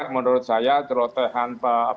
menurut saya celotehan